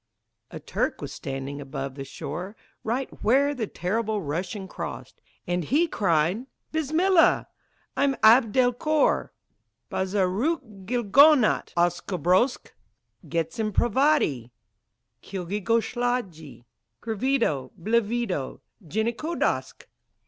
A Turk was standing upon the shore Right where the terrible Russian crossed; And he cried, "Bismillah! I'm Abd el Kor Bazaroukilgonautoskobrosk Getzinpravadi Kilgekosladji Grivido Blivido Jenikodosk!"